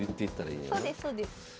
そうですそうです。